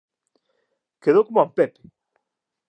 Quedou coma un pepe